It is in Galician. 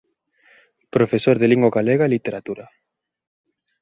Profesor de Lingua Galega e Literatura.